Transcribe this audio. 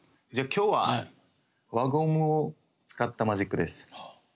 じゃあ今日は輪ゴムを使ったマジックです。